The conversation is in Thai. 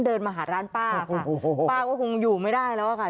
เดินมาหาร้านป้าค่ะโอ้โหป้าก็คงอยู่ไม่ได้แล้วค่ะ